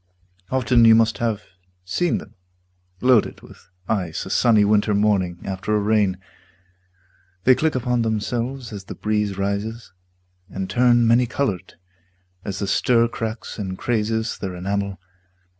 Often you must have seen them Loaded with ice a sunny winter morning After a rain. They click upon themselves As the breeze rises, and turn many colored As the stir cracks and crazes their enamel.